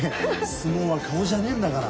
相撲は顔じゃねえんだから。